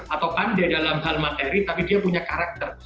atau kan dia dalam hal materi tapi dia punya karakter